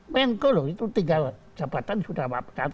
menko loh itu tinggal jabatan sudah waped